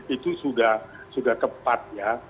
itu sudah tepat ya